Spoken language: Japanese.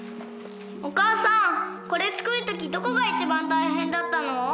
「お母さんこれ作るときどこが一番大変だったの？」